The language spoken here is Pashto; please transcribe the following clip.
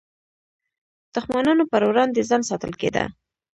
دښمنانو پر وړاندې ځان ساتل کېده.